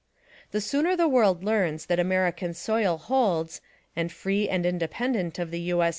The sooner the world learns that American soil hdlds, and free and inde pendent of the U. S.